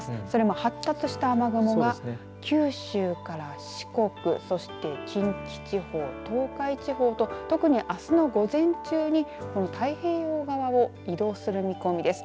それも発達した雨雲が九州から四国そして近畿地方東海地方と特にあすの午前中に太平洋側を移動する見込みです。